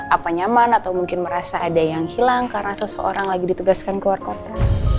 apa nyaman atau mungkin merasa ada yang hilang karena seseorang lagi ditugaskan keluar kota